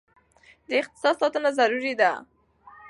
د اقتصاد ساتنه ضروري ده.